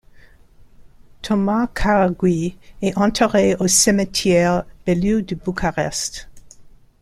Toma Caragiu est enterré au cimetière Bellu de Bucarest.